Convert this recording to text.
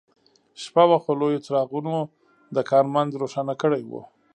شپه وه خو لویو څراغونو د کان منځ روښانه کړی و